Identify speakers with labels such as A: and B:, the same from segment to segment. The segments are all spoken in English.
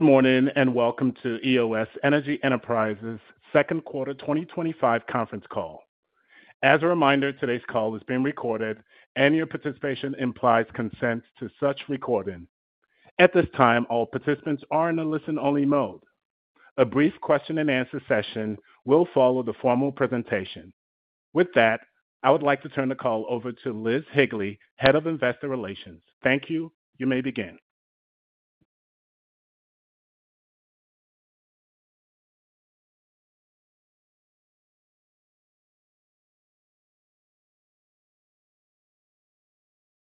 A: Morning and welcome to Eos Energy Enterprises' second quarter 2025 conference call. As a reminder, today's call is being recorded and your participation implies consent to such recording. At this time, all participants are in a listen-only mode. A brief question and answer session will follow the formal presentation. With that, I would like to turn the call over to Liz Higley, Head of Investor Relations. Thank you, you may begin.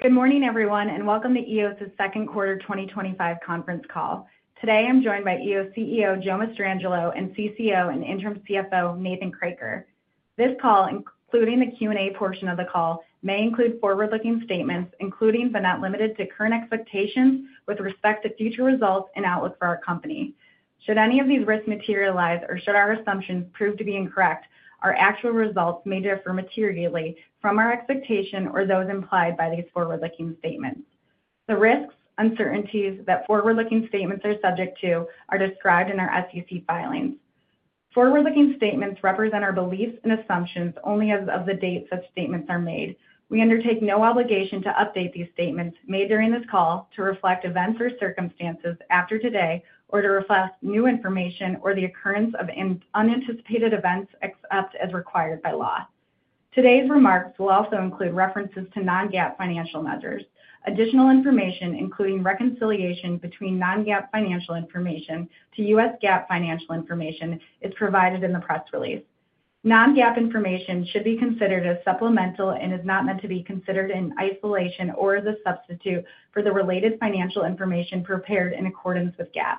B: Good morning everyone and welcome to Eos's second quarter 2025 conference call. Today I'm joined by Eos CEO Joe Mastrangelo and CCO and Interim CFO Nathan Kroeker. This call, including the Q&A portion of the call, may include forward-looking statements including but not limited to current expectations with respect to future results and outlook for our company. Should any of these risks materialize or should our assumptions prove to be incorrect, our actual results may differ materially from our expectation or those implied by these forward-looking statements. The risks and uncertainties that forward-looking statements are subject to are described in our SEC filings. Forward-looking statements represent our beliefs and assumptions only as of the date of such statements. We undertake no obligation to update these statements made during this call to reflect events or circumstances after today, or to reflect new information or the occurrence of unanticipated events, except as required by law. Today's remarks will also include references to non-GAAP financial measures. Additional information, including reconciliation between non-GAAP financial information to U.S. GAAP financial information, is provided in the press release. Non-GAAP information should be considered as supplemental and is not meant to be considered in isolation or as a substitute for the related financial information prepared in accordance with GAAP.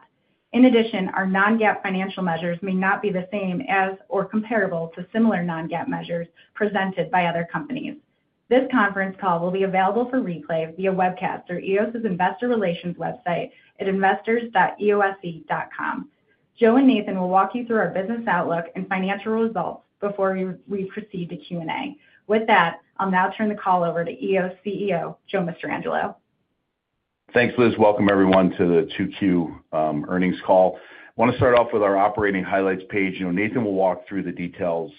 B: In addition, our non-GAAP financial measures may not be the same as or comparable to similar non-GAAP measures presented by other companies. This conference call will be available for replay via webcast on Eos's investor relations website at investors.eose.com. Joe and Nathan will walk you through our business outlook and financial results before we proceed to Q&A. With that, I'll now turn the call over to CEO Joe Mastrangelo.
C: Thanks, Liz. Welcome, everyone, to the 2Q earnings call. I want to start off with our operating highlights page. Nathan will walk through the details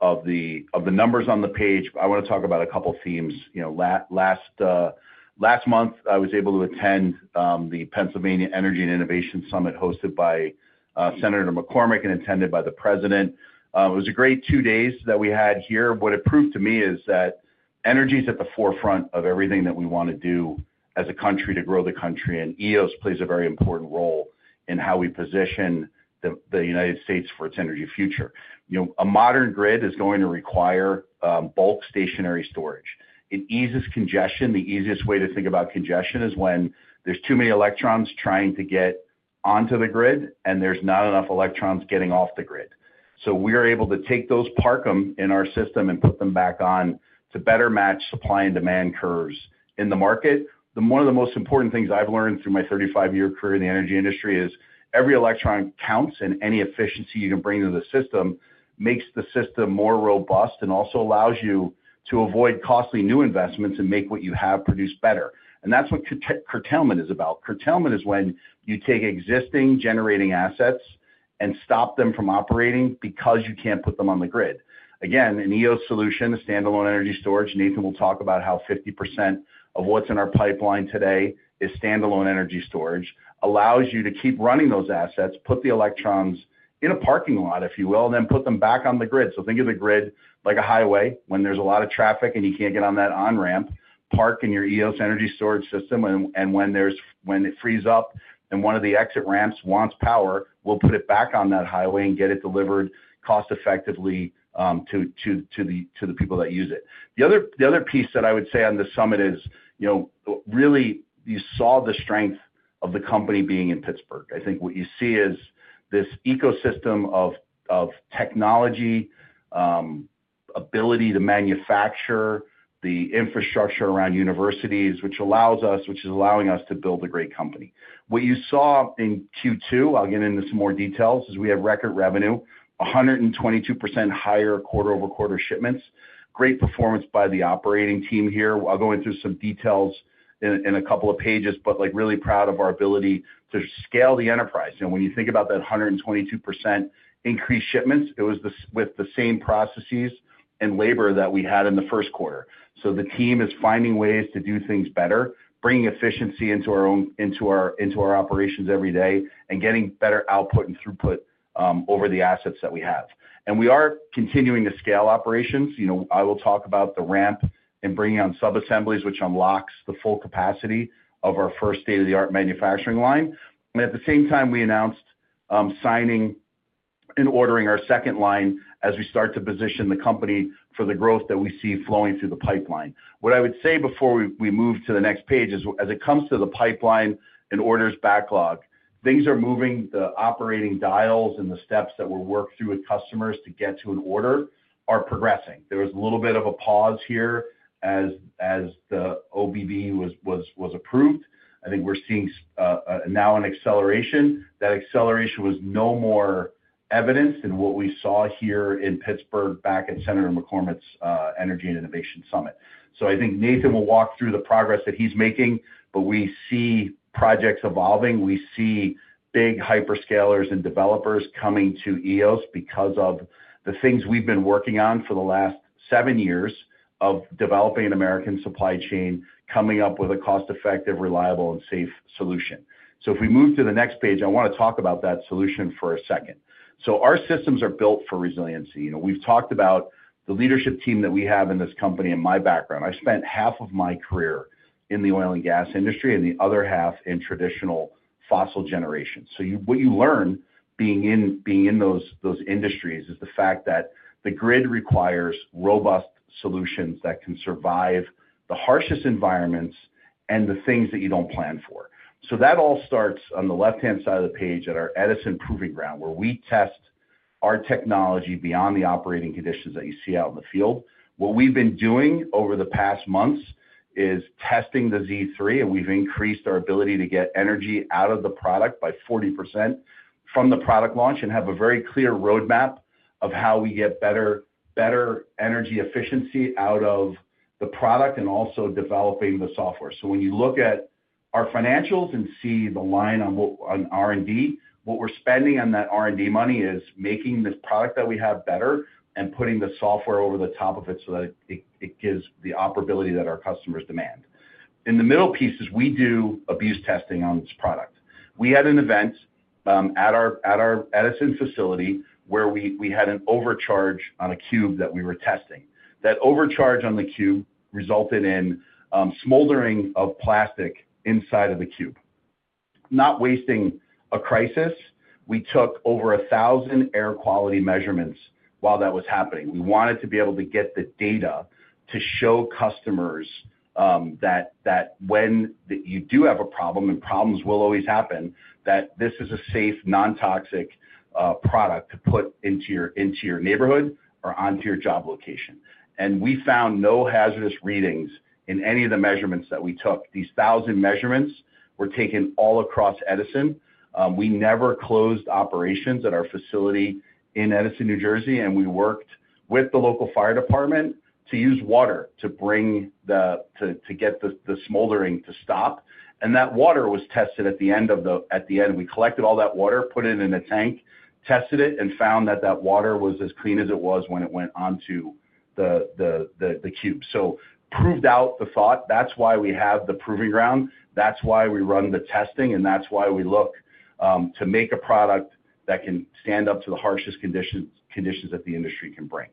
C: of the numbers on the page. I want to talk about a couple themes. Last month, I was able to attend the Pennsylvania Energy and Innovation Summit hosted by Senator McCormick and attended by the President. It was a great two days that we had here. What it proved to me is that energy is at the forefront of everything that we want to do as a country to grow the country, and Eos Energy Enterprises plays a very important role in how we position the United States for its energy future. A modern grid is going to require bulk stationary storage. It eases congestion. The easiest way to think about congestion is when there's too many electrons trying to get onto the grid and there's not enough electrons getting off the grid. We are able to take those, park them in our system, and put them back on to better match supply and demand curves in the market. One of the most important things I've learned through my 35-year career in the energy industry is every electron counts, and any efficiency you can bring to the system makes the system more robust and also allows you to avoid costly new investments and make what you have produce better. That's what curtailment is about. Curtailment is when you take existing generating assets and stop them from operating because you can't put them on the grid again. An Eos Energy Enterprises solution, a standalone energy storage. Nathan will talk about how 50% of what's in our pipeline today is standalone energy storage. It allows you to keep running those assets, put the electrons in a parking lot, if you will, then put them back on the grid. Think of the grid like a highway. When there's a lot of traffic and you can't get on that on ramp, park in your Eos Energy Enterprises energy storage system. When it frees up and one of the exit ramps wants power, we'll put it back on that highway and get it delivered cost effectively to the people that use it. The other piece that I would say on the summit, you saw the strength of the company being in Pittsburgh. I think what you see is this ecosystem of technology, ability to manufacture, the infrastructure around universities, which allows us, which is allowing us to build a great company. What you saw in Q2, I'll get into some more details, is we have record revenue, 122% higher quarter-over-quarter shipments. Great performance by the operating team here. I'll go into some details in a couple of pages. I'm really proud of our ability to scale the enterprise. When you think about that 122% increased shipments, it was with the same processes and labor that we had in the first quarter. The team is finding ways to do things better, bringing efficiency into our operations every day and getting better output and throughput over the assets that we have. We are continuing to scale operations. I will talk about the ramp and bringing on sub-assemblies which unlocks the full capacity of our first state-of-the-art manufacturing line. At the same time, we announced signing and ordering our second line as we start to position the company for the growth that we see flowing through the pipeline. What I would say before we move to the next page is as it comes to the pipeline and orders backlog, things are moving. The operating dials and the steps that we work through with customers to get to an order are progressing. There was a little bit of a pause here as the OBB was approved. I think we're seeing now an acceleration. That acceleration was no more evident than what we saw here in Pittsburgh back at Senator McCormick's Energy and Innovation Summit. I think Nathan will walk through the progress that he's making. We see projects evolving, we see big hyperscalers and developers coming to Eos Energy Enterprises because of the things we've been working on for the last seven years of developing an American supply chain, coming up with a cost-effective, reliable, and safe solution. If we move to the next page, I want to talk about that solution for a second. Our systems are built for resiliency. We've talked about the leadership team that we have in this company and my background, I spent half of my career in the oil and gas industry and the other half in traditional fossil generation. What you learn being in those industries is the fact that the grid requires robust solutions that can survive the harshest environments and the things that you don't plan for. That all starts on the left hand side of the page at our Edison Proving Ground where we test our technology beyond the operating conditions that you see out in the field. What we've been doing over the past months is testing the Z3 and we've increased our ability to get energy out of the product by 40% from the product launch and have a very clear roadmap of how we get better, better energy efficiency out of the product and also developing the software. When you look at our financials and see the line on R&D, what we're spending on that R&D money is making this product that we have better and putting the software over the top of it so that it gives the operability that our customers demand. In the middle pieces, we do abuse testing on this product. We had an event at our Edison facility where we had an overcharge on a cube that we were testing. That overcharge on the cube resulted in smoldering of plastic inside of the cube. Not wasting a crisis, we took over 1,000 air quality measurements while that was happening. We wanted to be able to get the data to show customers that when you do have a problem, and problems will always happen, that this is a safe, non-toxic product to put into your neighborhood or onto your job location. We found no hazardous readings in any of the measurements that we took. These thousand measurements were taken all across Edison. We never closed operations at our facility in Edison, New Jersey and we worked with the local fire department to use water to get the smoldering to stop. That water was tested at the end. We collected all that water, put it in a tank, tested it and found that that water was as clean as it was when it went onto the cube. Proved out the thought. That's why we have the proving ground, that's why we run the testing and that's why we look to make a product that can stand up to the harshest conditions, conditions that the industry can bring.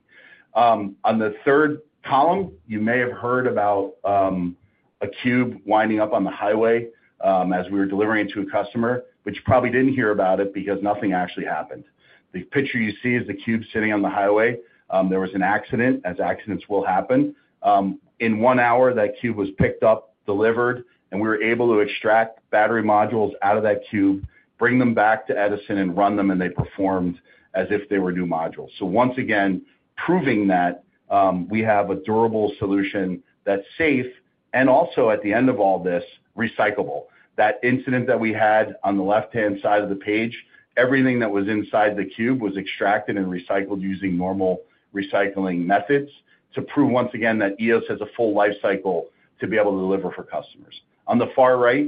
C: On the third column, you may have heard about a cube winding up on the highway as we were delivering it to a customer. You probably didn't hear about it because nothing actually happened. The picture you see is the cube sitting on the highway, there was an accident, as accidents will happen. In one hour, that cube was picked up, delivered, and we were able to extract battery modules out of that cube, bring them back to Edison, and run them. They performed as if they were new modules, once again proving that we have a durable solution that's safe. Also, at the end of all this, recyclable. That incident that we had on the left hand side of the page, everything that was inside the cube was extracted and recycled using normal recycling methods to prove once again that Eos has a full life cycle to be able to deliver for customers. On the far right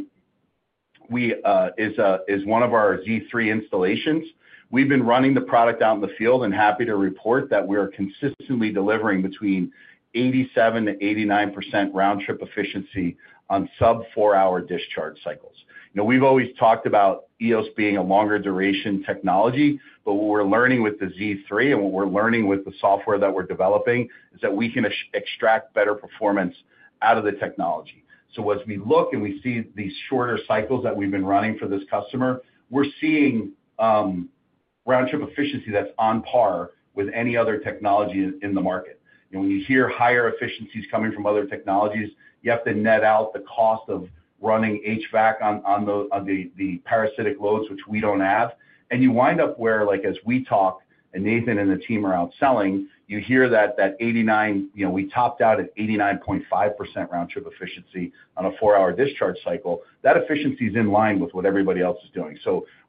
C: is one of our Z3 installations. We've been running the product out in the field and happy to report that we are consistently delivering between 87%-89% round-trip efficiency on sub four hour discharge cycles. You know we've always talked about Eos being a longer duration technology, but what we're learning with the Z3 and what we're learning with the software that we're developing is that we can extract better performance out of the technology. As we look and we see these shorter cycles that we've been running for this customer, we're seeing round-trip efficiency that's on par with any other technology in the market. When you hear higher efficiencies coming from other technologies, you have to net out the cost of running HVAC on the parasitic loads, which we don't have. You wind up where, as we talk and Nathan and the team are out selling, you hear that 89, you know, we topped out at 89.5% round-trip efficiency on a four-hour discharge cycle. That efficiency is in line with what everybody else is doing.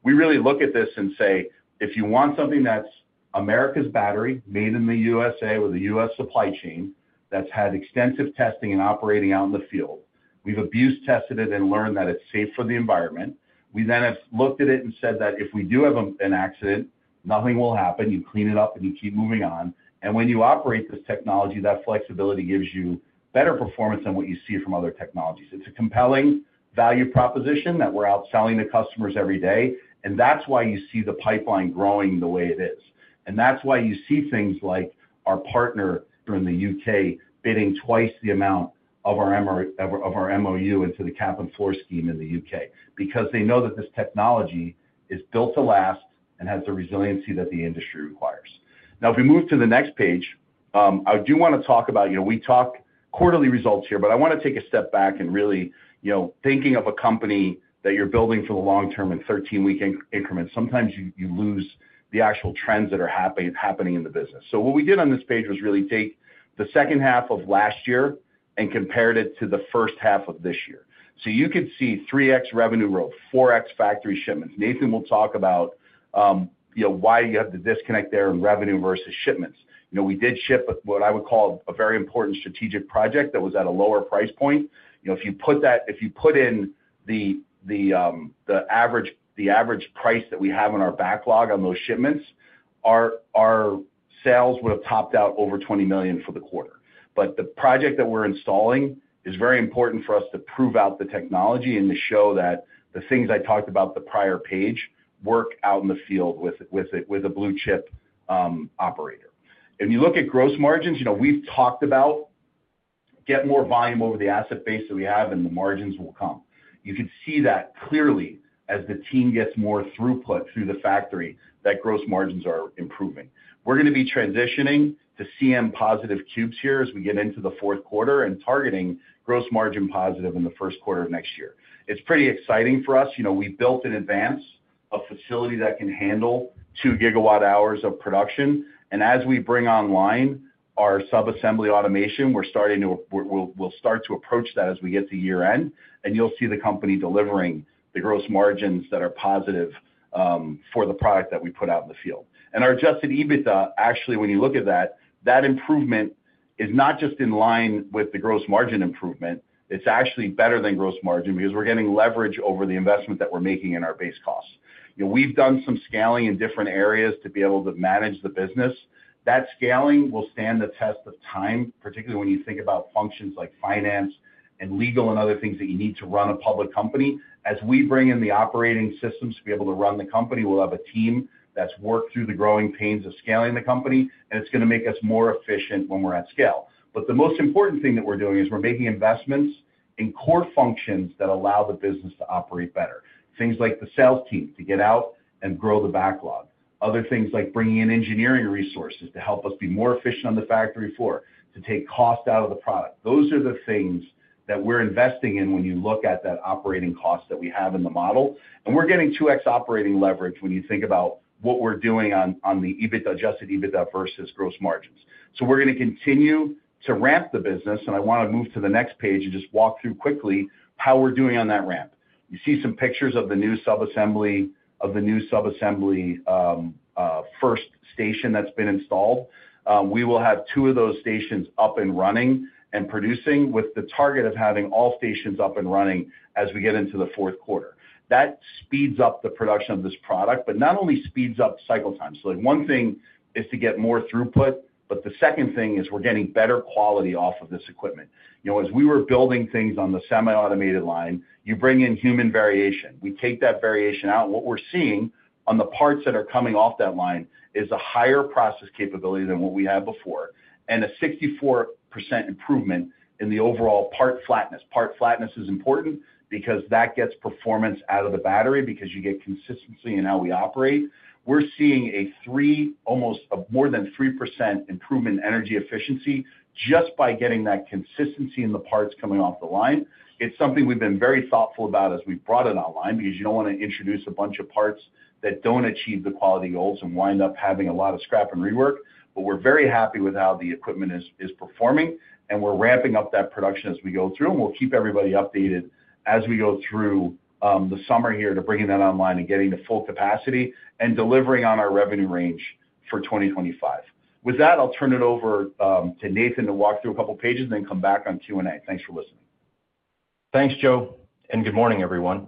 C: We really look at this and say if you want something that's America's battery, made in the U.S.A. with the U.S. supply chain that's had extensive testing and operating out in the field, we've abuse tested it and learned that it's safe for the environment. We then have looked at it and said that if we do have an accident, nothing will happen. You clean it up and you keep moving on. When you operate this technology, that flexibility gives you better performance than what you see from other technologies. It's a compelling value proposition that we're outselling to customers every day. That's why you see the pipeline growing the way it is. That's why you see things like our partner in the United Kingdom bidding twice the amount of our MoU into the Cap and Floor scheme in the United Kingdom because they know that this technology is built to last and has the resiliency that the industry requires. Now if we move to the next page, I do want to talk about, you know, we talk quarterly results here, but I want to take a step back and really, you know, thinking of a company that you're building for the long term in 13 week increments, sometimes you lose the actual trends that are happening in the business. What we did on this page was really take the second half of last year and compared it to the first half of this year so you could see 3x revenue growth, 4x factory shipments. Nathan will talk about why you have the disconnect there in revenue versus shipments. We did ship what I would call a very important strategic project that was at a lower price point. If you put in the average price that we have on our backlog on those shipments, our sales would have topped out over $20 million for the quarter. The project that we're installing is very important for us to prove out the technology and to show that the things I talked about on the prior page work out in the field with a blue chip operator. You look at gross margins, you know we've talked about get more volume over the asset base that we have and the margins will come. You can see that clearly as the team gets more throughput through the factory that gross margins are improving. We're going to be transitioning to CM positive cubes here as we get into the fourth quarter and targeting gross margin positive in the first quarter of next year. It's pretty exciting for us. You know, we built in advance a facility that can handle 2 GWh of production. As we bring online our sub assembly automation, we're starting to, we'll start to approach that as we get to year end and you'll see the company delivering the gross margins that are positive for the product that we put out in the field. Our adjusted EBITDA actually when you look at that, that improvement is not just in line with the gross margin improvement, it's actually better than gross margin because we're getting leverage over the investment that we're making in our base costs. We've done some scaling in different areas to be able to manage the business. That scaling will stand the test of time, particularly when you think about functions like finance and legal and other things that you need to run a public company. As we bring in the operating systems to be able to run the company, we'll have a team that's worked through the growing pains of scaling the company and it's going to make us more efficient when we're at scale. The most important thing that we're doing is we're making investments in core functions that allow the business to operate better. Things like the sales team to get out and grow the backlog. Other things like bringing in engineering resources to help us be more efficient on the factory floor to take cost out of the product. Those are the things that we're investing in. When you look at that operating cost that we have in the model and we're getting 2x operating leverage. When you think about what we're doing on, on the EBITDA, adjusted EBITDA versus gross margins. We're going to continue to ramp the business. I want to move to the next page and just walk through quickly how we're doing on that ramp. You see some pictures of the new sub assembly. Of the new sub assembly first station that's been installed, we will have two of those stations up and running and producing with the target of having all stations up and running as we get into the fourth quarter. That speeds up the production of this product, but not only speeds up cycle time. One thing is to get more throughput. The second thing is we're getting better quality off of this equipment. As we were building things on the semi-automated line, you bring in human variation, we take that variation out. What we're seeing is on the parts that are coming off that line is a higher process capability than what we had before and a 64% improvement in the overall part flatness. Part flatness is important because that gets performance out of the battery, because you get consistency in how we operate. We're seeing a three, almost more than 3% improvement in energy efficiency just by getting that consistency in the parts coming off the line. It's something we've been very thoughtful about as we brought it online because you don't want to introduce a bunch of parts that don't achieve the quality goals and wind up having a lot of scrap and rework. We're very happy with how the equipment is performing, and we're ramping up that production as we go through. We'll keep everybody updated as we go through the summer here to bringing that online and getting the full capacity and delivering on our revenue range for 2025. With that, I'll turn it over to Nathan to walk through a couple of pages, then come back on Q&A. Thanks for listening.
D: Thanks, Joe and good morning everyone.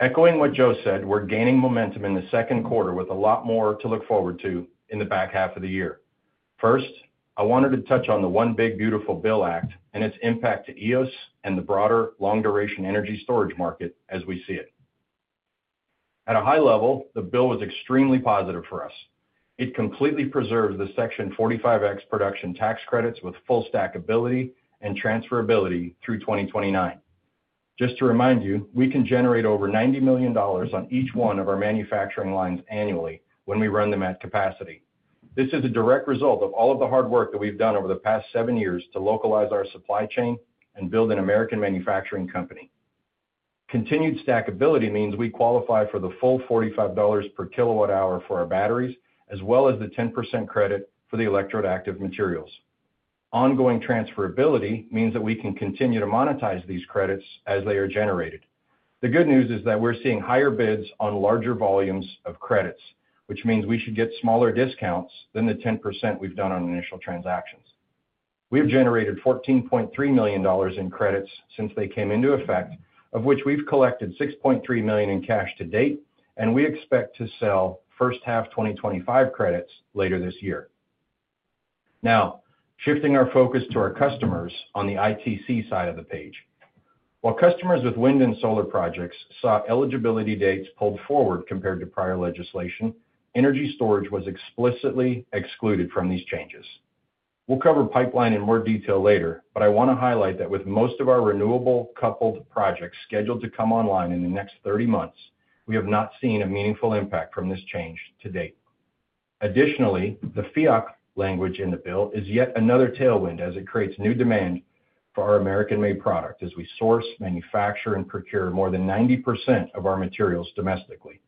D: Echoing what Joe said, we're gaining momentum in the second quarter with a lot more to look forward to in the back half of the year. First, I wanted to touch on the One Big Beautiful Bill Act and its impact to Eos and the broader long duration energy storage market as we see it at a high level. The bill was extremely positive for us. It completely preserves the Section 45X production tax credits with full stackability and transferability through 2029. Just to remind you, we can generate over $90 million on each one of our manufacturing lines annually when we run them at capacity. This is a direct result of all of the hard work that we've done over the past seven years to localize our supply chain and build an American manufacturing company. Continued stackability means we qualify for the full $45 per kWh for our batteries as well as the 10% credit for the electrode active materials. Ongoing transferability means that we can continue to monetize these credits as they are generated. The good news is that we're seeing higher bids on larger volumes of credits, which means we should get smaller discounts than the 10% we've done on initial transactions. We've generated $14.3 million in credits since they came into effect, of which we've collected $6.3 million in cash to date, and we expect to sell first half 2025 credits later this year. Now shifting our focus to our customers on the ITC side of the page. While customers with wind and solar projects saw eligibility dates pulled forward compared to prior legislation, energy storage was explicitly excluded from these changes. We'll cover pipeline in more detail later, but I want to highlight that with most of our renewable coupled projects scheduled to come online in the next 30 months, we have not seen a meaningful impact from this change to date. Additionally, the FIAC language in the bill is yet another tailwind as it creates new demand for our American made product as we source, manufacture and procure more than 90% of our materials domestically.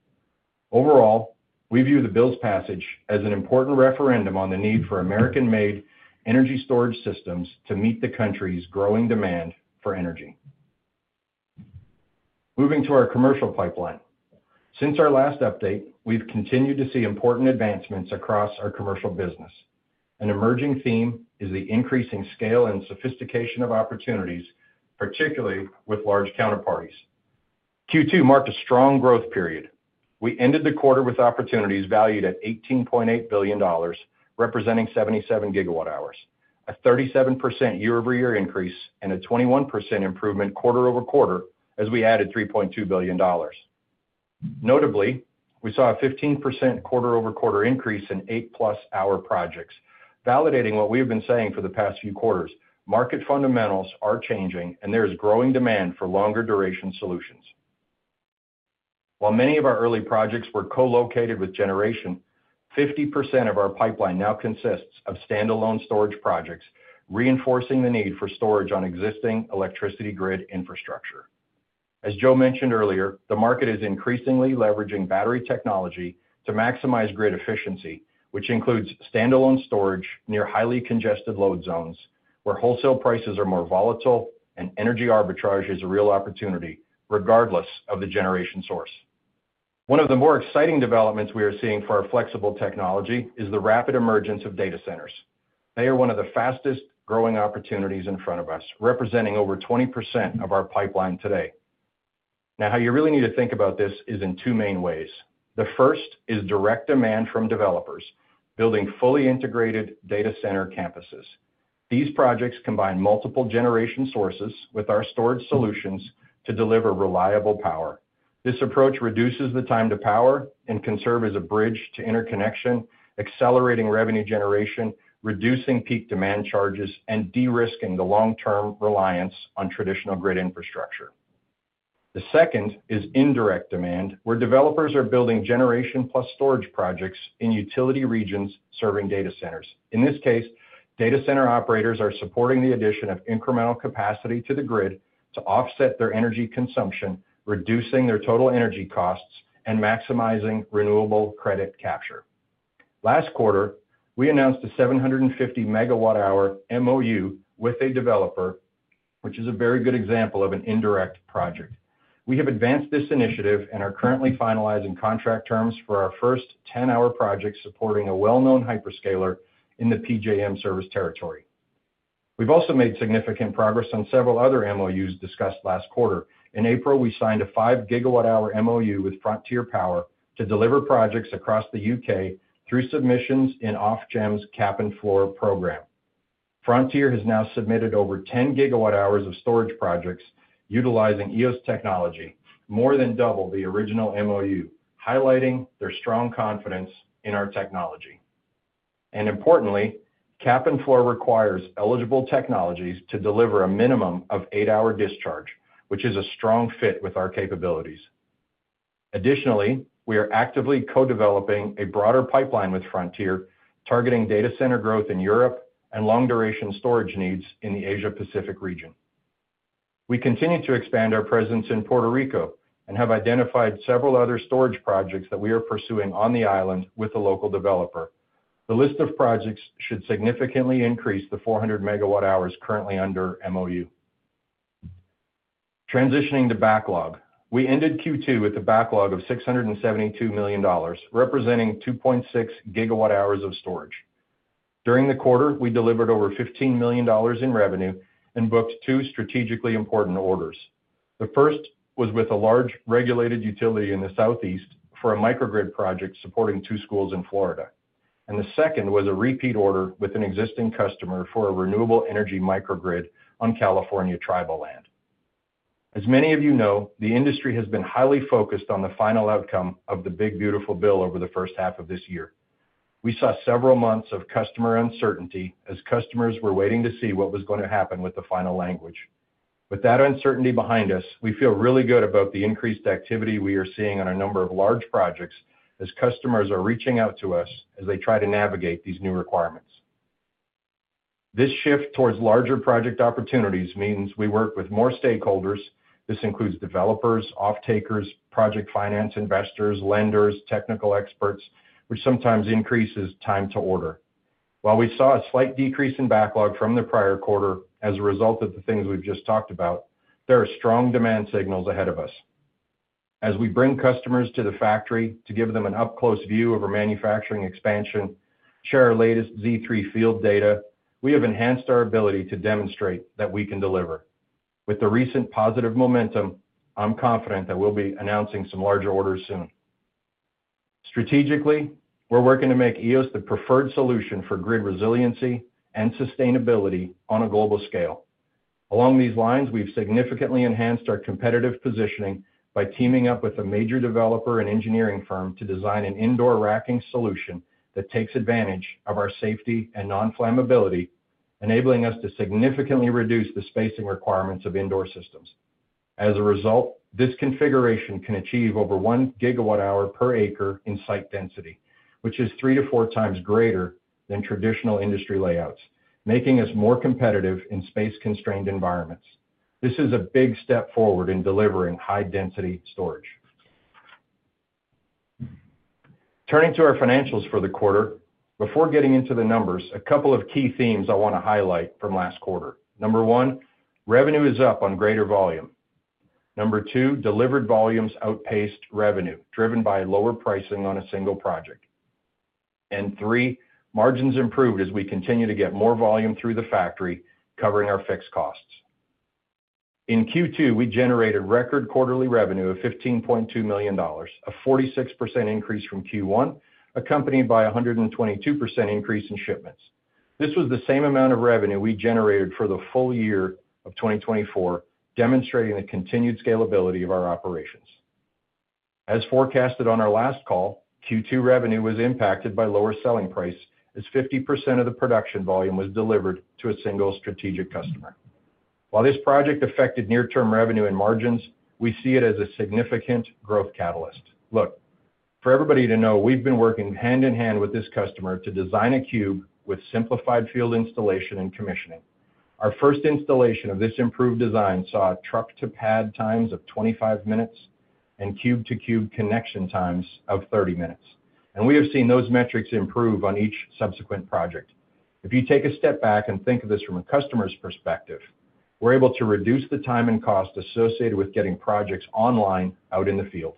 D: Overall, we view the bill's passage as an important referendum on the need for American made energy storage systems to meet the country's growing demand for energy. Moving to our commercial pipeline since our last update, we've continued to see important advancements across our commercial business. An emerging theme is the increasing scale and sophistication of opportunities, particularly with large counterparties. Q2 marked a strong growth period. We ended the quarter with opportunities valued at $18.8 billion representing 77 GWh, a 37% year-over-year increase and a 21% improvement quarter-over-quarter as we added $3.2 billion. Notably, we saw a 15% quarter-over-quarter increase in 8+ hour projects, validating what we have been saying for the past few quarters. Market fundamentals are changing, and there is growing demand for longer duration solutions. While many of our early projects were co-located with generation, 50% of our pipeline now consists of standalone storage projects, reinforcing the need for storage on existing electricity grid infrastructure. As Joe mentioned earlier, the market is increasingly leveraging battery technology to maximize grid efficiency, which includes standalone storage near highly congested load zones where wholesale prices are more volatile and energy arbitrage is a real opportunity regardless of the generation source. One of the more exciting developments we are seeing for our flexible technology is the rapid emergence of data centers. They are one of the fastest growing opportunities in front of us, representing over 20% of our pipeline today. Now, how you really need to think about this is in two main ways. The first is direct demand from developers building fully integrated data center campuses. These projects combine multiple generation sources with our storage solutions to deliver reliable power. This approach reduces the time to power and can serve as a bridge to interconnection, accelerating revenue generation, reducing peak demand charges, and de-risking the long term reliance on traditional grid infrastructure. The second is indirect demand where developers are building generation plus storage projects in utility regions serving data centers. In this case, data center operators are supporting the addition of incremental capacity to the grid to offset their energy consumption, reducing their total energy costs, and maximizing renewable credit capture. Last quarter, we announced a 750 MWh MoU with a developer, which is a very good example of an indirect project. We have advanced this initiative and are currently finalizing contract terms for our first 10 hour project, supporting a well known hyperscaler in the PJM Service territory. We've also made significant progress on several other MoUs discussed last quarter. In April we signed a 5 GWh MoU with Frontier Power to deliver projects across the United Kingdom through submissions in OFGEM's Cap and Floor program. Frontier has now submitted over 10 GWh of storage projects utilizing Eos technology, more than double the original MoU, highlighting their strong confidence in our technology. Importantly, Cap and Floor requires eligible technologies to deliver a minimum of 8 hour discharge, which is a strong fit with our capabilities. Additionally, we are actively co-developing a broader pipeline with Frontier targeting data center growth in Europe and long duration storage needs in the Asia Pacific region. We continue to expand our presence in Puerto Rico and have identified several other storage projects that we are pursuing on the island with the local developer. The list of projects should significantly increase the 400 MWh currently under MoU. Transitioning to backlog, we ended Q2 with a backlog of $672 million representing 2.6 GWh of storage. During the quarter, we delivered over $15 million in revenue and booked two strategically important orders. The first was with a large regulated utility in the Southeast for a microgrid project supporting two schools in Florida, and the second was a repeat order with an existing customer for a renewable energy microgrid on California tribal land. As many of you know, the industry has been highly focused on the final outcome of The Big Beautiful Bill over the first half of this year. We saw several months of customer uncertainty as customers were waiting to see what was going to happen with the final language. With that uncertainty behind us, we feel really good about the increased activity we are seeing on a number of large projects as customers are reaching out to us as they try to navigate these new requirements. This shift towards larger project opportunities means we work with more stakeholders. This includes developers, off takers, project finance investors, lenders, technical experts, which sometimes increases time to order. While we saw a slight decrease in backlog from the prior quarter as a result of the things we've just talked about, there are strong demand signals ahead of us as we bring customers to the factory to give them an up close view of our manufacturing expansion. Sharing our latest Z3 field data, we have enhanced our ability to demonstrate that we can deliver. With the recent positive momentum, I'm confident that we'll be announcing some larger orders soon. Strategically, we're working to make Eos Energy Enterprises the preferred solution for grid resiliency and sustainability on a global scale. Along these lines, we've significantly enhanced our competitive positioning by teaming up with a major developer and engineering firm to design an indoor racking solution that takes advantage of our safety and non-flammability, enabling us to significantly reduce the spacing requirements of indoor systems. As a result, this configuration can achieve over 1 GWh per acre in site density, which is three to four times greater than traditional industry layouts, making us more competitive in space-constrained environments. This is a big step forward in delivering high-density storage. Turning to our financials for the quarter, before getting into the numbers, a couple of key themes I want to highlight from last quarter. Number one, revenue is up on greater volume. Number two, delivered volumes outpaced revenue driven by lower pricing on a single project. Number three, margins improved as we continue to get more volume through the factory, covering our fixed costs. In Q2, we generated record quarterly revenue of $15.2 million, a 46% increase from Q1, accompanied by a 122% increase in shipments. This was the same amount of revenue we generated for the full year of 2024, demonstrating the continued scalability of our operations as forecasted on our last call. Q2 revenue was impacted by lower selling price as 50% of the production volume was delivered to a single strategic customer. While this project affected near-term revenue and margins, we see it as a significant growth catalyst. For everybody to know, we've been working hand in hand with this customer to design a cube with simplified field installation and commissioning. Our first installation of this improved design saw truck-to-pad times of 25 minutes and cube-to-cube connection times of 30 minutes, and we have seen those metrics improve on each subsequent project. If you take a step back and think of this from a customer's perspective, we're able to reduce the time and cost associated with getting projects online out in the field.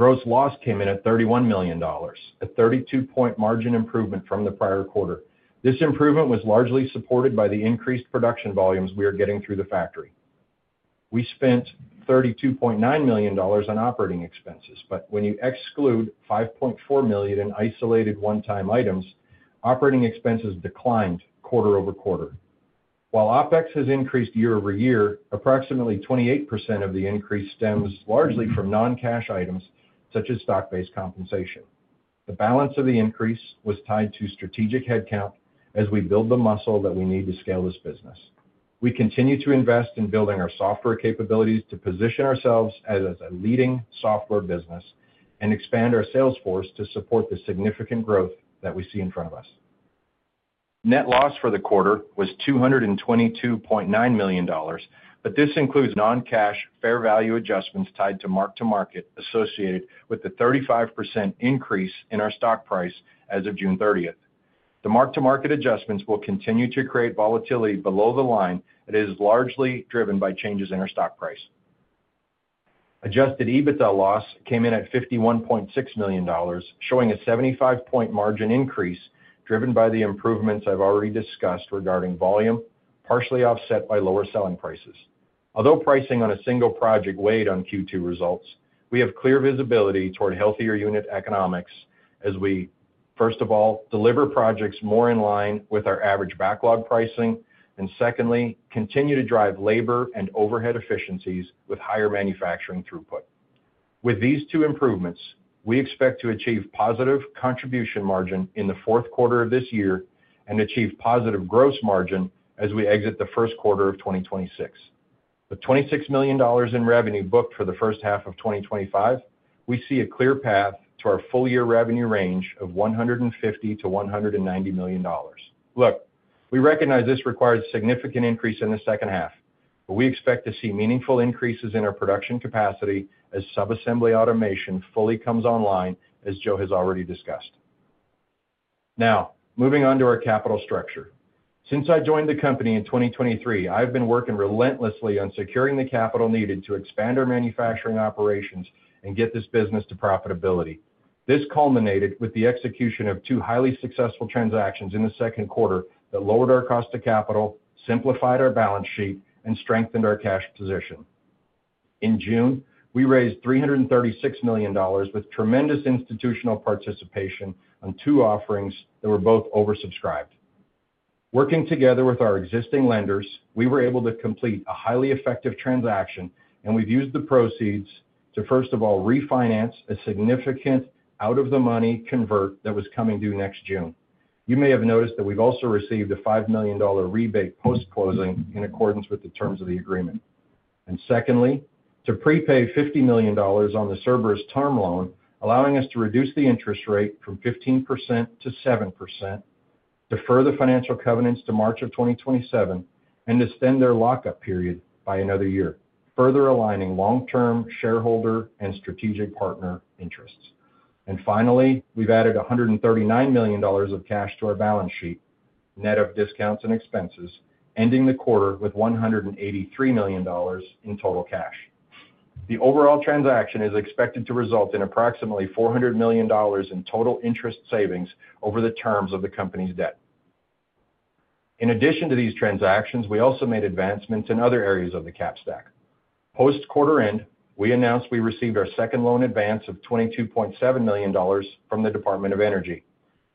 D: Gross loss came in at $31 million, a 32-point margin improvement from the prior quarter. This improvement was largely supported by the increased production volumes we are getting through the factory. We spent $32.9 million on operating expenses, but when you exclude $5.4 million in isolated one-time items, operating expenses declined quarter over quarter while OpEx has increased year over year. Approximately 28% of the increase stems largely from non-cash items such as stock-based compensation. The balance of the increase was tied to strategic headcount. As we build the muscle that we need to scale this business, we continue to invest in building our software capabilities to position ourselves as a leading software business and expand our sales force to support the significant growth that we see in front of us. Net loss for the quarter was $222.9 million, but this includes non-cash fair value adjustments tied to mark-to-market associated with the 35% increase in our stock price as of June 30th, 2023. The mark-to-market adjustments will continue to create volatility below the line that is largely driven by changes in our stock price. Adjusted EBITDA loss came in at $51.6 million, showing a 75-point margin increase driven by the improvements I've already discussed regarding volume, partially offset by lower selling prices. Although pricing on a single project weighed on Q2 results, we have clear visibility toward healthier unit economics as we, first of all, deliver projects more in line with our average backlog pricing and, secondly, continue to drive labor and overhead efficiencies with higher manufacturing throughput. With these two improvements, we expect to achieve positive contribution margin in the fourth quarter of this year and achieve positive gross margin as we exit the first quarter of 2026. With $26 million in revenue booked for the first half of 2025, we see a clear path to our full-year revenue range of $150million-$190 million. We recognize this requires significant increase in the second half, but we expect to see meaningful increases in our production capacity as sub-assembly automation fully comes online, as Joe has already discussed. Now moving on to our capital structure. Since I joined the company in 2023, I've been working relentlessly on securing the capital needed to expand our manufacturing operations and get this business to profitability. This culminated with the execution of two highly successful transactions in the second quarter that lowered our cost of capital, simplified our balance sheet, and strengthened our cash position. In June we raised $336 million with tremendous institutional participation on two offerings that were both oversubscribed. Working together with our existing lenders, we were able to complete a highly effective transaction and we've used the proceeds to, first of all, refinance a significant out-of-the-money convert that was coming due next June. You may have noticed that we've also received a $5 million rebate post-closing in accordance with the terms of the agreement. Secondly, to prepay $50 million on the Cerberus term loan, allowing us to reduce the interest rate from 15%-7%, defer the financial covenants to March of 2027, and extend their lockup period by another year, further aligning long-term shareholder and strategic partner interests. Finally, we've added $139 million of cash to our balance sheet, net of discounts and expenses, ending the quarter with $183 million in total cash. The overall transaction is expected to result in approximately $400 million in total interest savings over the terms of the company's debt. In addition to these transactions, we also made advancements in other areas of the cap stack. Post quarter end, we announced we received our second loan advance of $22.7 million from the Department of Energy.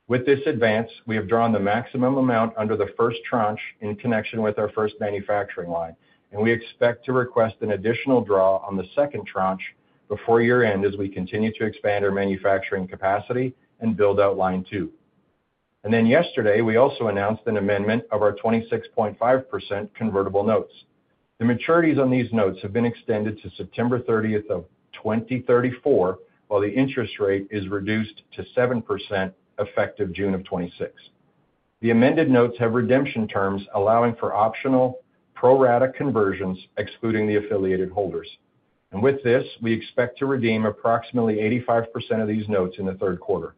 D: With this advance, we have drawn the maximum amount under the first tranche in connection with our first manufacturing line and we expect to request an additional draw on the second tranche before year end as we continue to expand our manufacturing capacity and build out line two. Yesterday we also announced an amendment of our 26.5% convertible notes. The maturities on these notes have been extended to September 30th, 2034, while the interest rate is reduced to 7% effective June of 2026. The amended notes have redemption terms allowing for optional pro rata conversions excluding the affiliated holders. With this, we expect to redeem approximately 85% of these notes in the third quarter.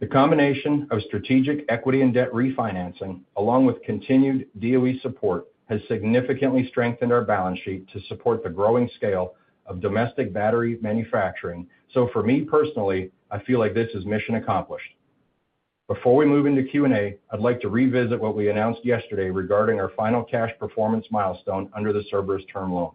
D: The combination of strategic equity and debt refinancing, along with continued DOE support, has significantly strengthened our balance sheet to support the growing scale of domestic battery manufacturing. For me personally, I feel like this is mission accomplished. Before we move into Q&A, I'd like to revisit what we announced yesterday regarding our final cash performance milestone under the Cerberus term loan.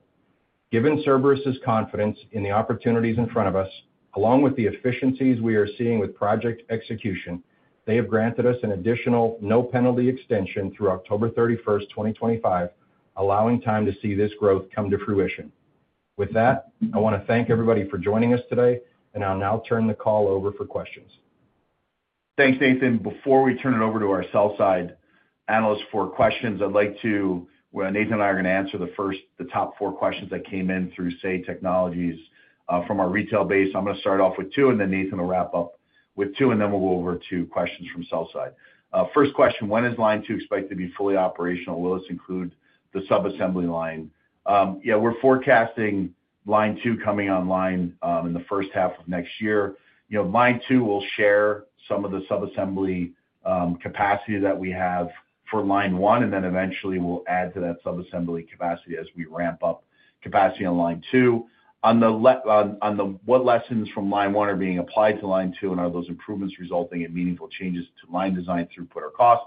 D: Given Cerberus's confidence in the opportunities in front of us, along with the efficiencies we are seeing with project execution, they have granted us an additional no penalty extension through October 31st, 2025, allowing time to see this growth come to fruition. With that, I want to thank everybody for joining us today, and I'll now turn the call over for questions.
C: Thanks, Nathan. Before we turn it over to our sell-side analysts for questions, Nathan and I are going to answer the top four questions that came in through SEI Technologies from our retail base. I'm going to start off with two and then Nathan will wrap up with two and then we'll go over to questions from sell side. First question, when is line two expected to be fully operational? Will this include the sub assembly line? Yeah, we're forecasting line two coming online in the first half of next year. Line two will share some of the sub assembly capacity that we have for line one. Eventually we'll add to that sub assembly capacity as we ramp up capacity on line two. What lessons from line one are being applied to line two and are those improvements resulting in meaningful changes to line design, throughput, or cost?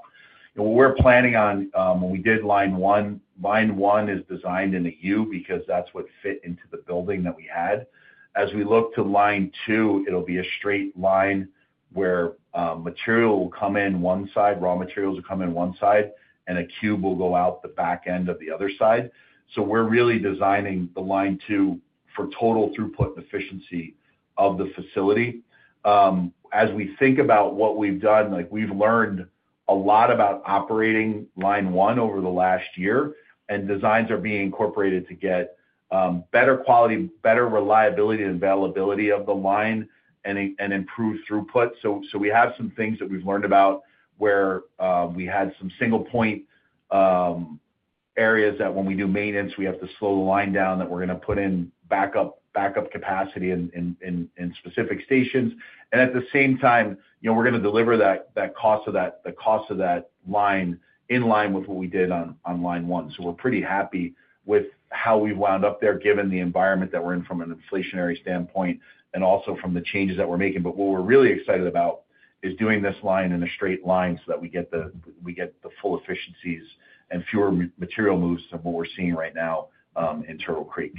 C: We're planning on when we did line one. Line one is designed in a 'U' because that's what fit into the building that we had. As we look to line two, it'll be a straight line where material will come in one side, raw materials will come in one side and a cube will go out the back end of the other side. We're really designing the line two for total throughput efficiency of the facility. As we think about what we've done, we've learned a lot about operating line one over the last year and designs are being incorporated to get better quality, better reliability, availability of the line, and improve throughput. We have some things that we've learned about where we had some single point areas that when we do maintenance, we have to slow the line down, that we're going to put in backup capacity in specific stations and at the same time, we're going to deliver that cost of that, the cost of that line in line with what we did on line one. We're pretty happy with how we've wound up there given the environment that we're in from an inflationary standpoint and also from the changes that we're making. What we're really excited about is doing this line in a straight line so that we get the full efficiencies and fewer material moves than what we're seeing right now in Turtle Creek.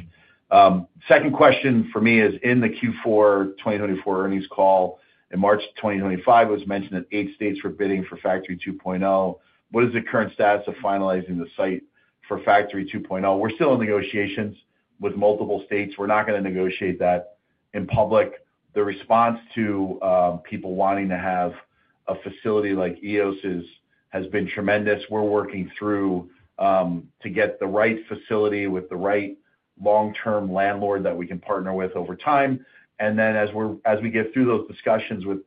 C: Second question for me is in the Q4 2024 earnings call in March 2025 was mentioned that eight states were bidding for Factory 2.0. What is the current status of finalizing the site for Factory 2.0? We're still in negotiations with multiple states. We're not going to negotiate that in public. The response to people wanting to have a facility like Eos has been tremendous. We're working through to get the right facility with the right long-term landlord that we can partner with over time. As we get through those discussions, you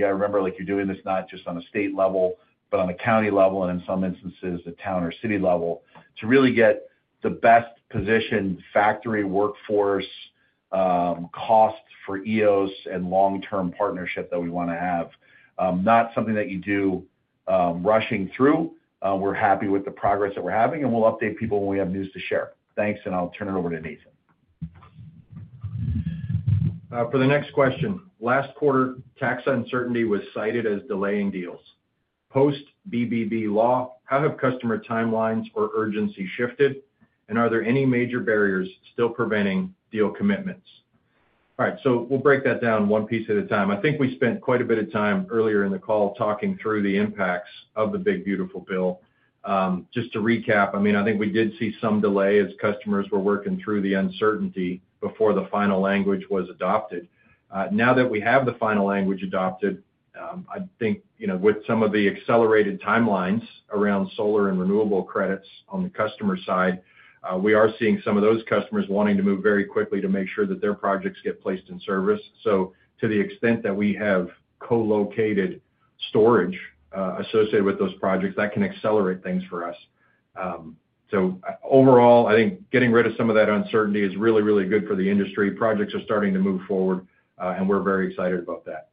C: gotta remember you're doing this not just on a state level but on a county level and in some instances the town or city level to really get the best position, factory workforce cost for Eos and long-term partnership that we want to have. Not something that you do rushing through. We're happy with the progress that we're having and we'll update people when we have news to share. Thanks and I'll turn it over to Nathan.
D: For the next question. Last quarter tax uncertainty was cited as delaying deals post BBB law. How have customer timelines or urgency shifted and are there any major barriers still preventing deal commitments? All right, we'll break that down one piece at a time. I think we spent quite a bit of time earlier in the call talking through the impacts of The Big Beautiful Bill. Just to recap, I think we did see some delay as customers were working through the uncertainty before the final language was adopted. Now that we have the final language adopted, I think, with some of the accelerated timelines around solar and renewable credits on the customer side, we are seeing some of those customers wanting to move very quickly to make sure that their projects get placed in service. To the extent that we have co-located storage associated with those projects, that can accelerate things for us. Overall, I think getting rid of some of that uncertainty is really, really good for the industry. Projects are starting to move forward and we're very excited about that.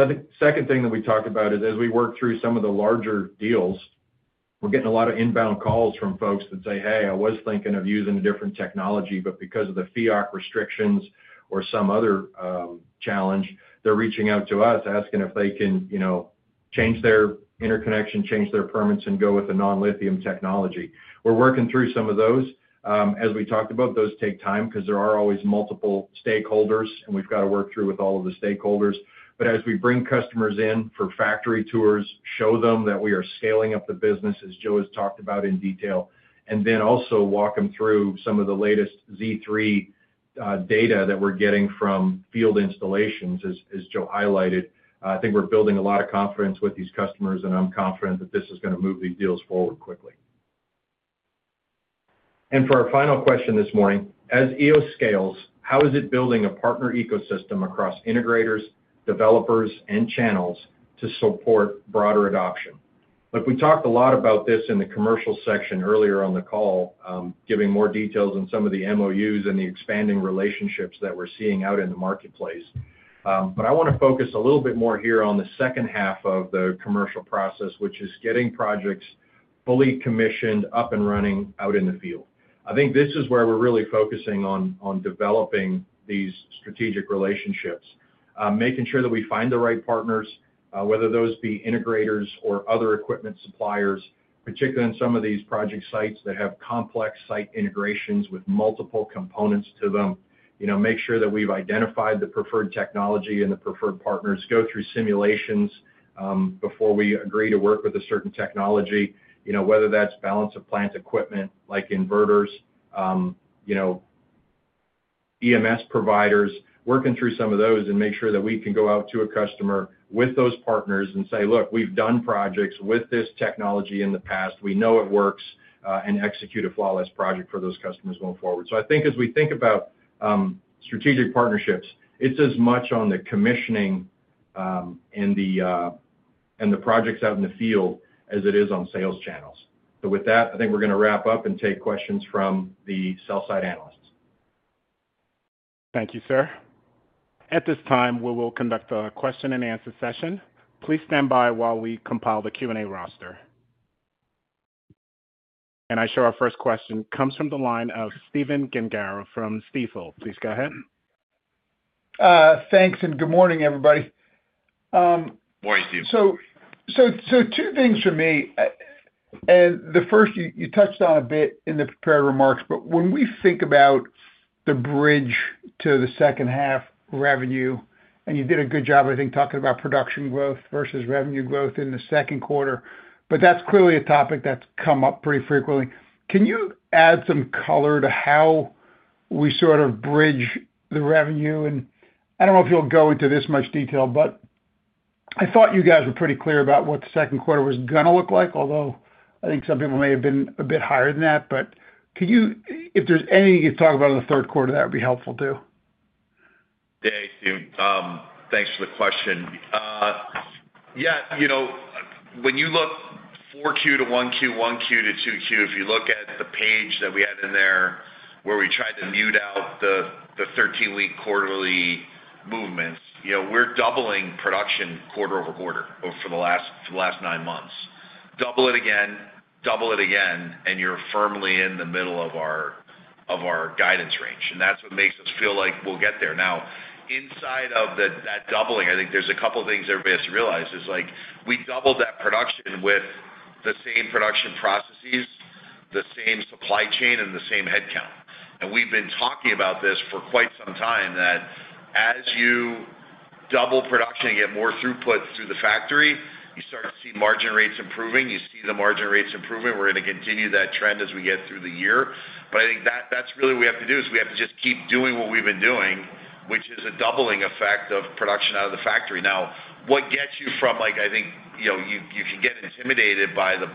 D: The second thing that we talk about is as we work through some of the larger deals, we're getting a lot of inbound calls from folks that say, hey, I was thinking of using a different technology but because of the FIAC restrictions or some other challenge, they're reaching out to us asking if they can change their interconnection, change their permits and go with the non-lithium technology. We're working through some of those. As we talked about, those take time because there are always multiple stakeholders and we've got to work through with all of the stakeholders. As we bring customers in for factory tours, show them that we are scaling up the business as Joe has talked about in detail and then also walk them through some of the latest Z3 data that we're getting from field installations, as Joe highlighted, I think we're building a lot of confidence with these customers and I'm confident that this is going to move these deals forward quickly. For our final question this morning, as Eos scales, how is it building a partner ecosystem across integrators, developers and channels to support broader adoption? We talked a lot about this in the commercial section earlier on the call, giving more details on some of the MoUs and the expanding relationships that we're seeing out in the marketplace. I want to focus a little bit more here on the second half of the commercial process, which is getting projects fully commissioned up and running out in the field. I think this is where we're really focusing on developing these strategic relationships, making sure that we find the right partners, whether those be integrators or other equipment suppliers, particularly in some of these project sites that have complex site integrations with multiple components to them. Make sure that we've identified the preferred technology and the preferred partners, go through simulations before we agree to work with a certain technology. Whether that's balance of plant equipment like inverters, EMS providers, working through some of those and make sure that we can go out to a customer with those partners and say, look, we've done projects with this technology in the past, we know it works and execute a flawless project for those customers going forward. I think as we think about strategic partnerships, it's as much on the commissioning and the projects out in the field as it is on sales channels. With that, I think we're going to wrap up and take questions from the sell side analysts.
A: Thank you, sir. At this time, we will conduct a question-and-answer session. Please stand by while we compile the Q&A roster. Our first question comes from the line of Stephen Gengaro from Stifel. Please go ahead.
E: Thanks and good morning everybody. Two things for me. The first you touched on a bit in the prepared remarks. When we think about the bridge to the second half revenue, you did a good job, I think, talking about production growth versus revenue growth in the second quarter. That's clearly a topic that's come up pretty frequently. Can you add some color to how we sort of bridge the revenue? I don't know if you'll go into this much detail, but I thought you guys were pretty clear about what the second quarter was going to look like. I think some people may have been a bit higher than that. If there's anything you talk about in the third quarter, that would be helpful today.
D: Thanks for the question. Yeah, you know, when you look 4Q-1Q, 1Q-2Q. If you look at the page that we had in there where we tried to mute out the 13-week quarterly movements, you know, we're doubling production quarter over quarter for the last nine months. Double it again, double it again, and you're firmly in the middle of our guidance range, and that's what makes us feel like we'll get there. Now, inside of that doubling, I think there's a couple of things everybody has to realize. We doubled that production with the same production processes, the same supply chain, and the same headcount. We've been talking about this for quite some time, that as you double production, get more throughput through the factory, you start to see margin rates improving. You see the margin rates improving. We're going to continue that trend as we get through the year. I think that that's really we have to do is we have to just keep doing what we've been doing, which is a doubling effect of production out of the factory. Now what gets you from, like, I think, you know, you can get intimidated by the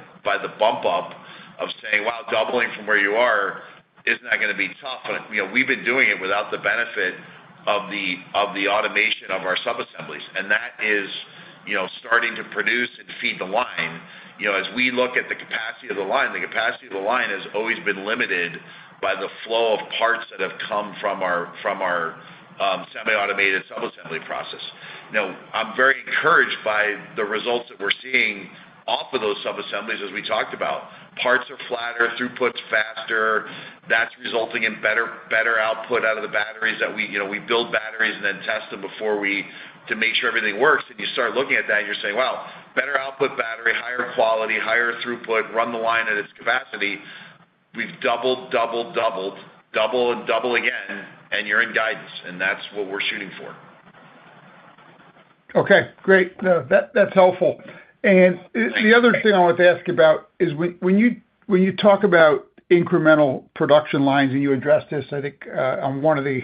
D: bump up of saying wow, doubling from where you are is not going to be tough. We've been doing it without the benefit of the automation of our sub assemblies and that is starting to produce and feed the line. As we look at the capacity of the line, the capacity of the line has always been limited by the flow of parts that have come from our semi-automated sub assembly process. I'm very encouraged by the results that we're seeing off of those sub assemblies. As we talked about, parts are flatter, throughput's faster, that's resulting in better output out of the batteries that we build. We build batteries and then test them before we make sure everything works. You start looking at that, you're saying wow, better output battery, higher quality, higher throughput. Run the line at its capacity. We've doubled, double, doubled, double and double again. You're in guidance and that's what we're shooting for.
E: Okay, great, that's helpful. The other thing I want to ask about is when you talk about incremental production lines and you addressed this I think on one of the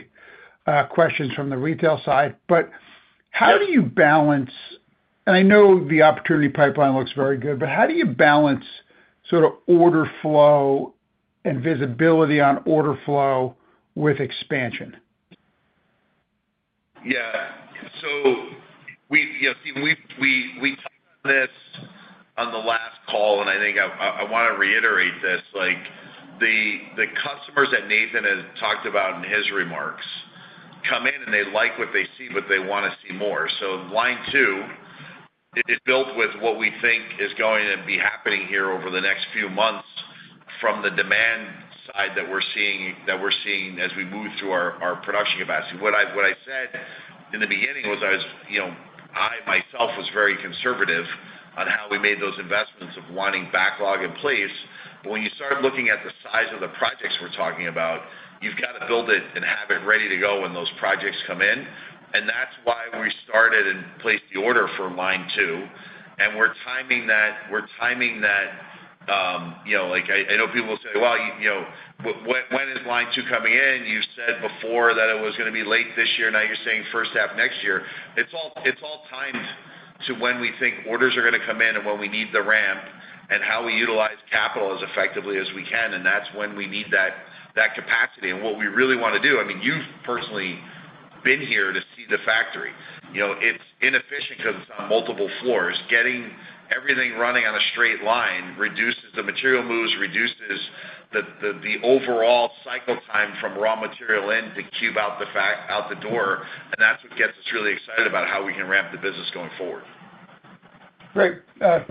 E: questions from the retail side, how do you balance, and I know the opportunity pipeline looks very good, how do you balance sort of order flow and visibility on order flow with expansion?
C: Yeah, we discussed this on the last call and I think I want to reiterate this. The customers that Nathan has talked about in his remarks come in and they like what they see, but they want to see more. Line two, it is built with what we think is going to be happening here over the next few months from the demand side that we're seeing as we move through our production capacity. What I said in the beginning was I myself was very conservative on how we made those investments of wanting backlog in place. When you start looking at the size of the projects we're talking about, you've got to build it and have it ready to go when those projects come in. That's why we started and placed the order for line two. We're timing that. I know people say, you know, when is line two coming in? You said before that it was going to be late this year. Now you're saying first half next year. It's all times to when we think orders are going to come in and when we need the ramp and how we utilize capital as effectively as we can. That's when we need that capacity and what we really want to do. I mean, you've personally been here to see the factory, you know it's inefficient because it's on multiple floors. Getting everything running on a straight line reduces the material moves, reduces the overall cycle time from raw material in to cube out the door. That's what gets us really excited about how we can ramp the business going forward.
E: Great.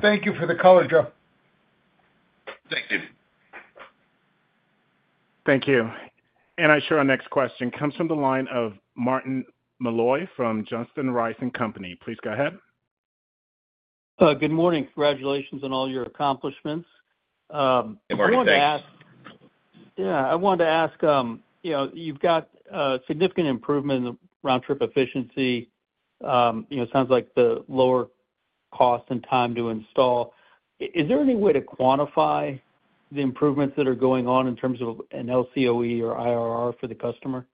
E: Thank you for the color, Joe.
C: Thanks Stephen. Thank you.
A: Our next question comes from the line of Martin Malloy from Johnson Rice & Company. Please go ahead.
F: Good morning. Congratulations on all your accomplishments. I wanted to ask, you know, you've got significant improvement in the round-trip efficiency. You know, sounds like the lower cost and time to install. Is there any way to quantify the improvements that are going on in terms of an LCOE or IRR for the customer?
D: Yeah,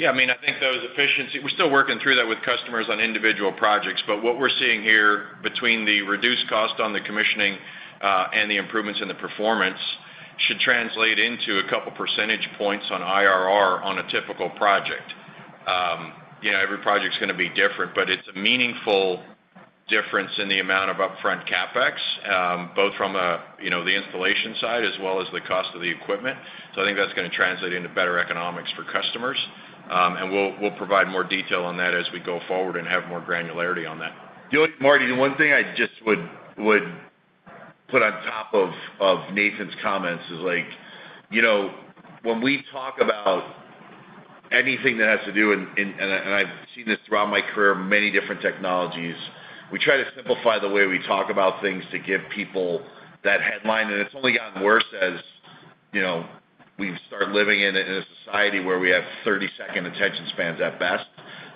D: I mean I think those efficiency, we're still working through that with customers on individual projects. What we're seeing here between the reduced cost on the commissioning and the improvements in the performance should translate into a couple percentage points on IRR on a typical project. You know, every project's going to be different, but it's a meaningful difference in the amount of upfront CapEx both from the installation side as well as the cost of the equipment. I think that's going to translate into better economics for customers. We will provide more detail on that as we go forward and have more granularity on that.
C: Martin, the one thing I just would put on top of Nathan's comments is, when we talk about anything that has to do, and I've seen it throughout my career, many different technologies, we try to simplify the way we talk about things to give people that headline. It's only gotten worse, as we start living in a society where we have 30 second attention spans at best.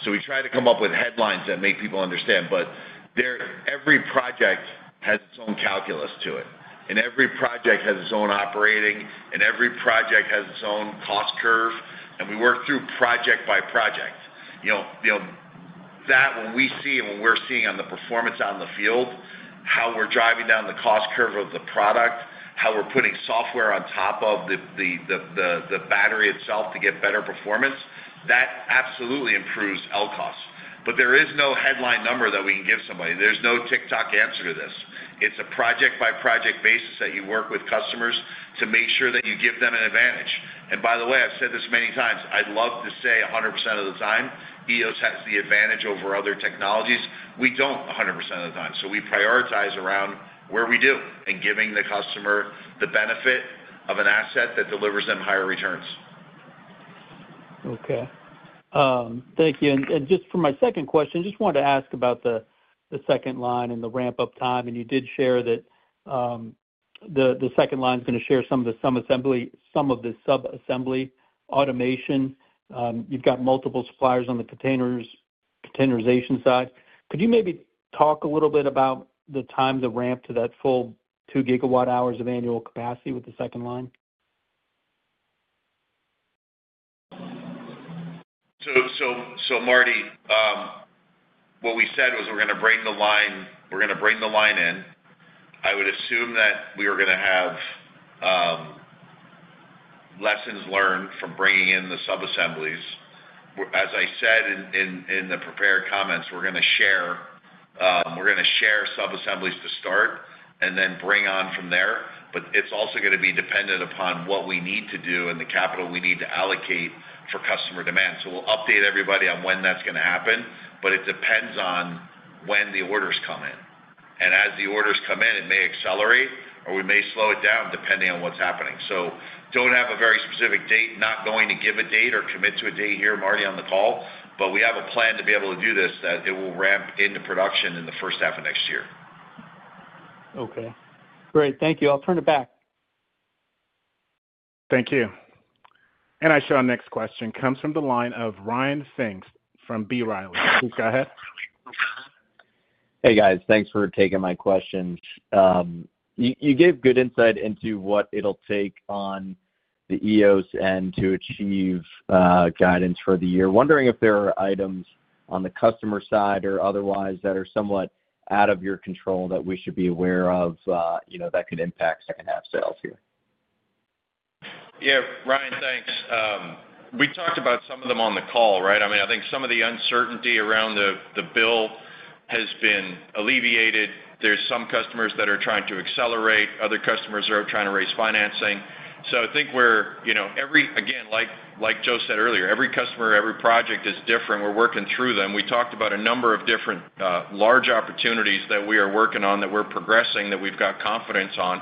C: We try to come up with headlines that make people understand. Every project has its own calculus to it, and every project has its own operating, and every project has its own cost curve. We work through project by project. When we see what we're seeing on the performance on the field, how we're driving down the cost curve of the product, how we're putting software on top of the battery itself to get better performance, that absolutely improves cost. There is no headline number that we can give somebody. There's no TikTok answer to this. It's a project by project basis that you work with customers to make sure that you give them an advantage. By the way, I've said this many times, I'd love to say 100% of the time Eos has the advantage over other technologies. We don't 100% of the time. We prioritize around where we do and giving the customer the benefit of an asset that delivers them higher returns.
F: Okay, thank you. For my second question, I just wanted to ask about the second line and the ramp up time. You did share that the second line is going to share some assembly, some of the sub-assembly automation. You've got multiple suppliers on the containerization side. Could you maybe talk a little bit about the time, the ramp to that full 2 GWh of annual capacity with the second line?
C: Martin, what we said was we're going to bring the line, we're going to bring the line in. I would assume that we were going to have lessons learned from bringing in the sub-assemblies. As I said in the prepared comments, we're going to share sub-assemblies to start and then bring on from there. It is also going to be dependent upon what we need to do and the capital we need to allocate for customer demand. We will update everybody on when that's going to happen, but it depends on when the orders come in. As the orders come in, it may accelerate or we may slow it down depending on what's happening. I do not have a very specific date. I am not going to give a date or commit to a date here, Martin, on the call, but we have a plan to be able to do this, that it will ramp into production in the first half of next year.
F: Okay, great. Thank you. I'll turn it back.
A: Thank you, and I saw next question comes from the line of Ryan Pfingst from B. Riley Securities. Go ahead.
G: Hey guys, thanks for taking my question. You gave good insight into what it'll take on the Eos end to achieve guidance for the year. Wondering if there are items on the customer side or otherwise that are somewhat out of your control that we should be aware of, that could impact second half sales here.
D: Yeah, Ryan, thanks. We talked about some of them on the call, right? I mean, I think some of the uncertainty around the bill has been alleviated. There are some customers that are trying to accelerate, other customers are trying to raise financing. I think we're, you know, like Joe said earlier, every customer, every project is different. We're working through them. We talked about a number of different large opportunities that we are working on, that we're progressing, that we've got confidence on.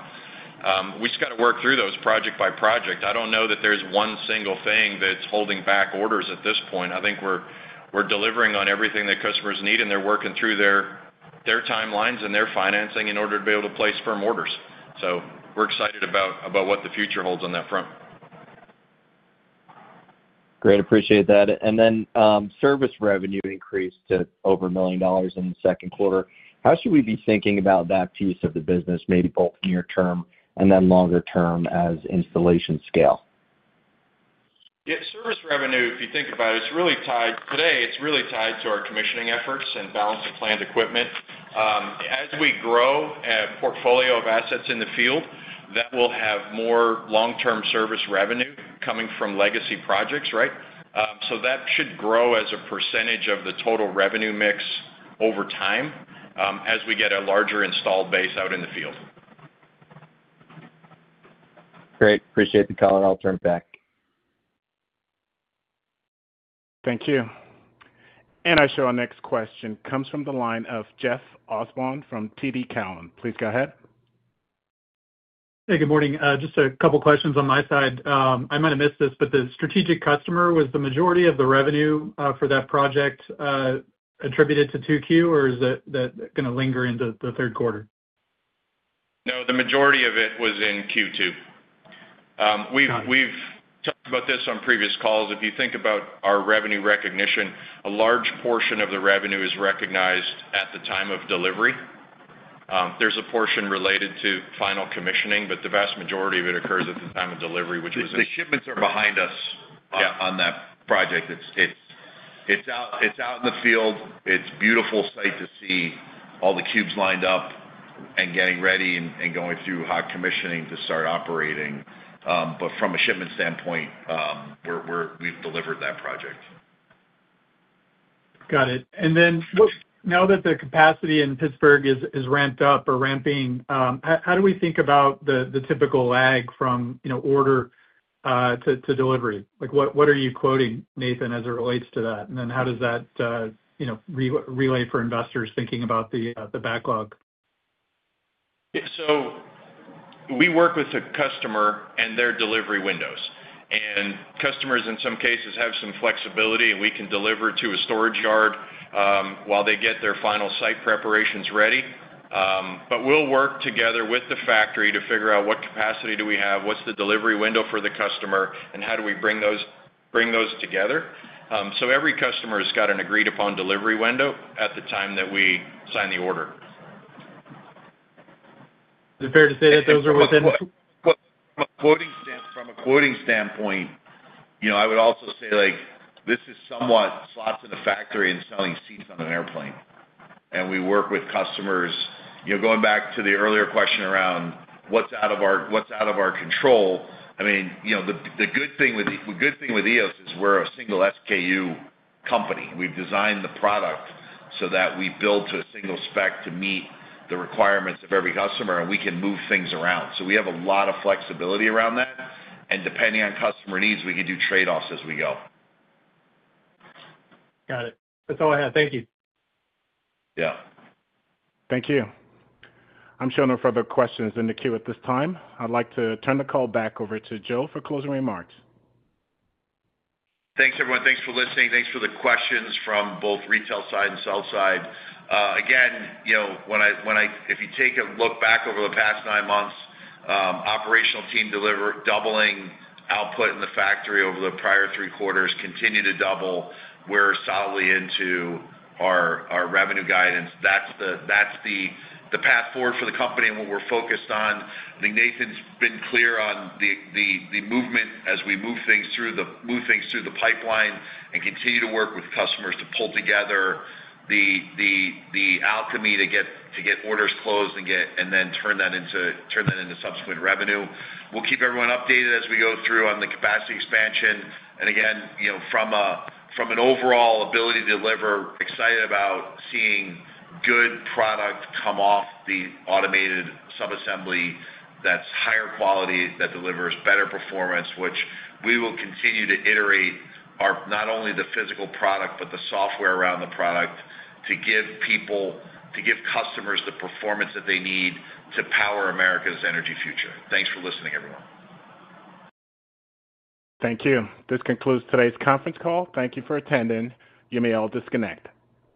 D: We just have to work through those project by project. I don't know that there's one single thing that's holding back orders at this point. I think we're delivering on everything that customers need and they're working through their timelines and their financing in order to be able to place firm orders. We're excited about what the future holds on that front.
G: Great, appreciate that. Service revenue increased to over $1 million in the second quarter. How should we be thinking about that piece of the business, maybe both near term and then longer term as installation scale?
D: Service revenue. If you think about it, it's really tied today. It's really tied to our commissioning efforts and balance of plant equipment as we grow a portfolio of assets in the field that will have more long term service revenue coming from legacy projects. That should grow as a percentage of the total revenue mix over time as we get a larger installed base out in the field.
G: Great. Appreciate the call, and I'll turn it back.
A: Thank you. I show our next question comes from the line of Jeff Osborne from TD Cowen, please go ahead.
H: Hey, good morning. Just a couple questions on my side. I might have missed this, but the strategic customer was the majority of the revenue for that project attributed to 2Q, or is that going to linger into the third quarter?
C: No, the majority of it was in Q2. We've talked about this on previous calls. If you think about our revenue recognition, a large portion of the revenue is recognized at the time of delivery. There's a portion related to final commissioning, the vast majority of it occurs at the time of delivery, which is the shipments are behind us on that project. It's out in the field. It's a beautiful sight to see all the cubes lined up and getting ready and going through hot commissioning to start operating. From a shipment standpoint, we've delivered that project.
H: Got it. Now that the capacity in Pittsburgh is ramped up or ramping, how do we think about the typical lag from order to delivery? What are you quoting, Nathan, as it relates to that? How does that relay for investors thinking about the backlog?
D: We work with the customer and their delivery windows, and customers in some cases have some flexibility, and we can deliver to a storage yard while they get their final site preparations ready. We work together with the factory to figure out what capacity we have, what the delivery window is for the customer, and how we bring those together. Every customer has got an agreed upon delivery window at the time that we sign the order.
H: Is it fair to say that those are within.
D: From a quoting standpoint? I would also say this is somewhat slots in a factory selling seats on an airplane. We work with customers. Going back to the earlier question around what's out of our control, the good thing with Eos is we're a single SKU company. We've designed the product so that we build to a single spec to meet the requirements of every customer, and we can move things around. We have a lot of flexibility around that, and depending on customer needs, we could do trade offs as we go.
H: Got it. That's all I have. Thank you.
D: Yeah.
A: Thank you. I'm showing no further questions in the queue at this time. I'd like to turn the call back over to Joe for closing remarks.
C: Thanks, everyone. Thanks for listening. Thanks for the questions from both retail side and sell side. Again, you know, when I, if you take a look back over the past nine months, operational team deliver doubling output in the factory over the prior three quarters, continue to double. We're solidly into our revenue guidance, that's the path forward for the company and what we're focused on. I think Nathan's been clear on the movement as we move things through the pipeline and continue to work with customers to pull together the alchemy to get orders closed and then turn that into subsequent revenue. We'll keep everyone updated as we go through on the capacity expansion and again from an overall ability to deliver. Excited about seeing good product come off the automated sub-assembly. That's higher quality, that delivers better performance, which we will continue to iterate are not only the physical product, but the software around the product to give people, to give customers the performance that they need to power America's energy future. Thanks for listening, everyone.
A: Thank you. This concludes today's conference call. Thank you for attending, you may all disconnect.